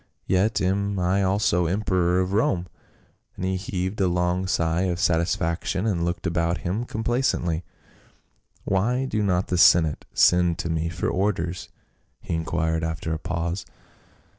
"Yet am I also emperor of Rome," and he heaved a long sigh of satisfaction and looked about him complacently. " Why do not the senate send to me for orders ?" he inquired after a pause.